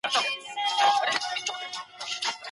ایا د سهار چای به زما ستړیا لږه کمه کړي؟